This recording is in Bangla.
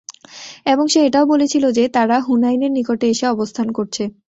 এবং সে এটাও বলেছিল যে, তারা হুনাইনের নিকটে এসে অবস্থান করছে।